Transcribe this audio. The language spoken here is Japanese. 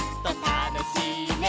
「たのしいね」